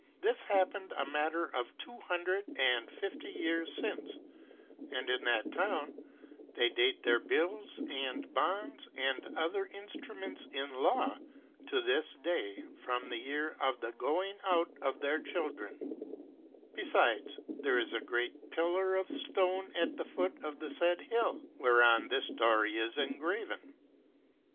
This happened a matter of two hundred and fifty years since: and in that town, they date their bills and bonds, and other instruments in law, to this day from the year of the going out of their children: besides, there is a great pillar of stone at the foot of the said hill, whereon this story is engraven.